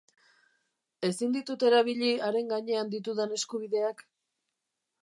Ezin ditut erabili haren gainean ditudan eskubideak?